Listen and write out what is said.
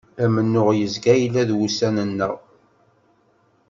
Amennuɣ yezga yella d wussan-nneɣ.